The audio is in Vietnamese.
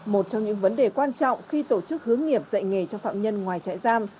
một trong những vấn đề quan trọng khi tổ chức hướng nghiệp dạy nghề cho phạm nhân ngoài trại giam